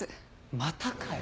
またかよ。